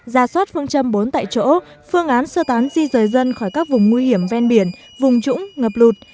ra soát phương châm bốn tại chỗ phương án sơ tán di rời dân khỏi các vùng nguy hiểm ven biển vùng trũng ngập lụt